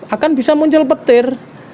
akan bisa muncul petir